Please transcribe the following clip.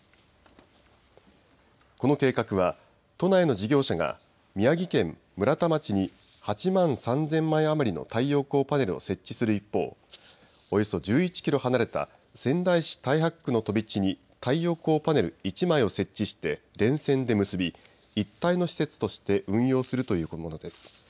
この計画は都内の事業者が宮城県村田町に８万３０００枚余りの太陽光パネルを設置する一方、およそ１１キロ離れた仙台市太白区の飛散に太陽光パネル１枚を設置して電線で結び一体の施設として運用するということです。